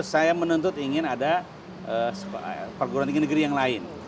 saya menuntut ingin ada perguruan tinggi negeri yang lain